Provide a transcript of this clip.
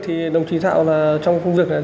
thì đồng chí thảo trong công việc này